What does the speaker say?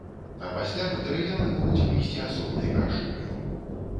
А пасля матэрыялы могуць выйсці асобнай брашурай.